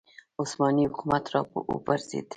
عثماني حکومت راوپرځېد